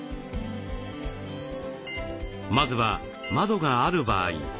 まずは窓がある場合。